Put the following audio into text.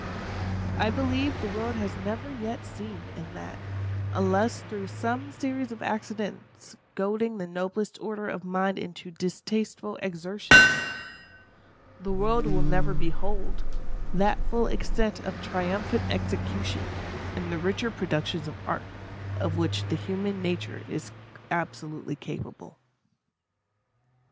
I believe the world has never yet seen, and that, unless through some series of accidents goading the noblest order of mind into distasteful exertion, the world will never behold, that full extent of triumphant execution, in the richer productions of Art, of which the human nature is absolutely capable.